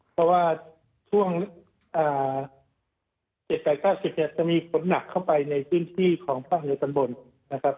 เพราะว่าช่วง๗๘๙๐เนี่ยจะมีฝนหนักเข้าไปในพื้นที่ของภาคเหนือตอนบนนะครับ